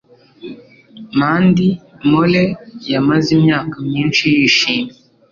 Mandy Moore yamaze imyaka myinshi yishimye